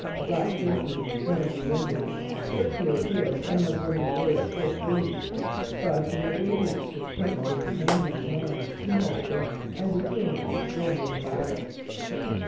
Black Turkey, one of the Indians, took to his heels and was running away at full speed, but in obedience to Tecumseh's angry command he halted and returned to join in the battle.